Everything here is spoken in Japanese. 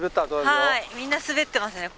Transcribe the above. はいみんな滑ってますね